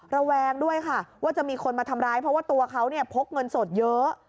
ระแวงด้วยค่ะว่าจะมีคนมาทำร้ายเพราะว่าตัวเขาเนี่ยพกเงินสดเยอะ